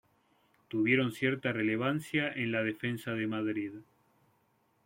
Tuvieron cierta relevancia en la Defensa de Madrid.